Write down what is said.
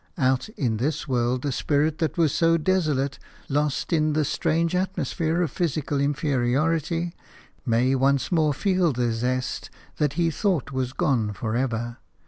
Out in this world the spirit that was so desolate, lost in the strange atmosphere of physical inferiority, may once more feel the zest that he thought was gone for ever.